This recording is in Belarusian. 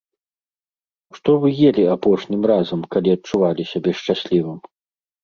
Што вы елі апошнім разам, калі адчувалі сябе шчаслівым?